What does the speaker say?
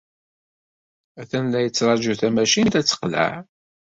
Atan la yettṛaju tamacint ad teqleɛ.